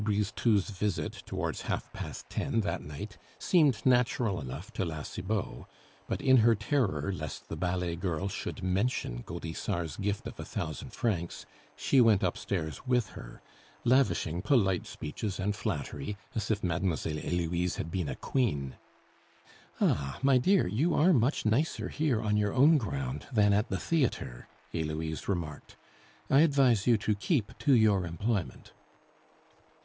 Brisetout's visit towards half past ten that night seemed natural enough to La Cibot; but in her terror lest the ballet girl should mention Gaudissart's gift of a thousand francs, she went upstairs with her, lavishing polite speeches and flattery as if Mlle. Heloise had been a queen. "Ah! my dear, you are much nicer here on your own ground than at the theatre," Heloise remarked. "I advise you to keep to your employment."